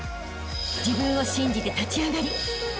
［自分を信じて立ち上がりあしたへ